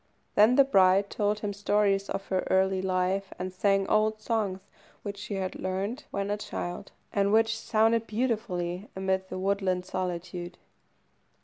Then the bride told him stories of her early life, and sang old songs which she had learned when a child, and which sounded beautifully amid the woodland solitude.